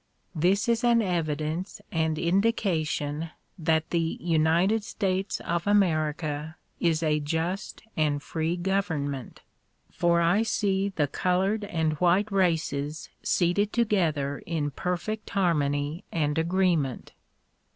This is an evidence and indication that the United States of America is a just and free government, for I see the colored and white races seated together in perfect harmony and agreement.